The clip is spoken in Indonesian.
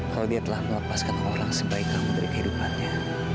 kalau dia telah melepaskan orang sebaik kamu dari kehidupannya